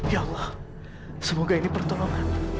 ya allah semoga ini pertolongan